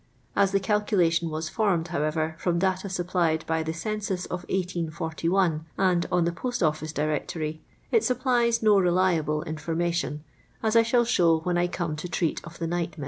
As the calculation was formed, however, from data supplied by the census of 1841, and on the Post Office Directory, it supplies no reliable information, as I shall show when I come to treat of the nightmen.